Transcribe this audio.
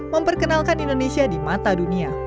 memperkenalkan indonesia di mata dunia